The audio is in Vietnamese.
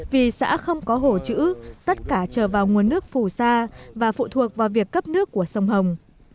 vì xã không có hổ chữ tất cả trở vào nguồn nước phù sa và phụ thuộc vào việc cấp nước của sông hồng